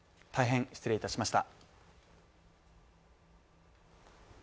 大変失礼致しました。